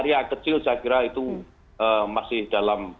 pada area area kecil saya kira itu masih dalam tas padaran